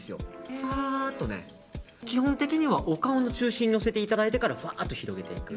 ふわーっと基本的にはお顔の中心に乗せていただいてからふわっと広げていく。